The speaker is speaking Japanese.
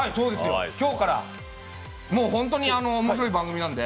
今日から、もう本当に面白い番組なので。